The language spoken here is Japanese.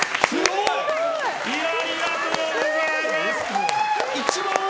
ありがとうございます！